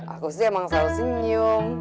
aku sih emang selalu senyum